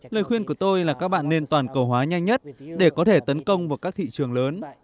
lời khuyên của tôi là các bạn nên toàn cầu hóa nhanh nhất để có thể tấn công vào các thị trường lớn